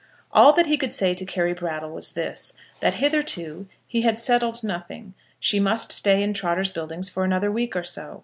All that he could say to Carry Brattle was this, that hitherto he had settled nothing. She must stay in Trotter's Buildings for another week or so.